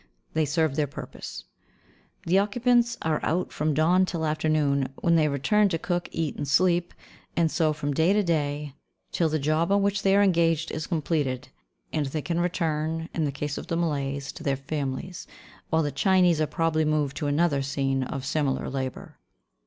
They serve their purpose. The occupants are out from dawn till afternoon, when they return to cook, eat, and sleep; and so, from day to day, till the job on which they are engaged is completed, and they can return, in the case of the Malays, to their families, while the Chinese are probably moved to another scene of similar labour.